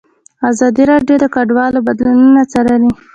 ازادي راډیو د کډوال بدلونونه څارلي.